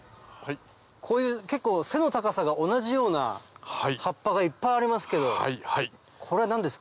こういう結構背の高さが同じような葉っぱがいっぱいありますけどこれは何ですか？